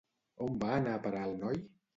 On va anar a parar el noi?